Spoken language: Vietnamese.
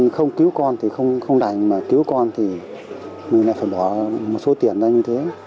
không cứu con thì không đành mà cứu con thì mình lại phải bỏ một số tiền ra như thế